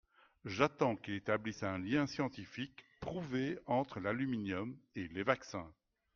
J’attends qu’il établisse un lien scientifique prouvé entre l’aluminium et les vaccins.